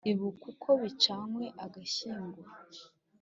Ibuka uko bicanywe agashinyaguro !